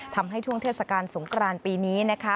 ทำให้ช่วงเทศกาลสงกรานปีนี้นะคะ